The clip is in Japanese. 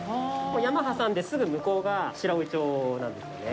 山挟んですぐ向こうが白老町なんですよね。